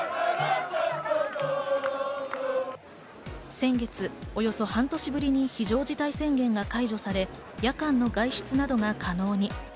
先月、およそ半年ぶりに非常事態宣言が解除され、夜間の外出などが可能に。